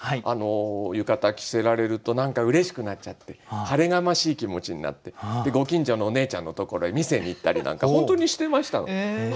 浴衣着せられると何かうれしくなっちゃって晴れがましい気持ちになってご近所のおねえちゃんのところへ見せにいったりなんか本当にしてましたので。